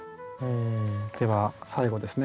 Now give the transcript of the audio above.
では最後ですね。